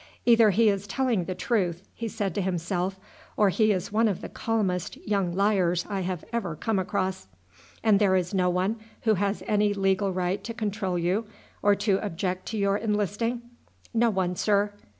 "Either he is telling the truth," he said to himself, "or he is one of the calmest young liars I have ever come across." "And there is no one who has any legal right to control you or to object to your enlisting?" "No one, sir."